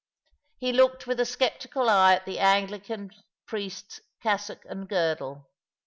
He looked with a sceptical eye at the Anglican priest's cassock and girdle.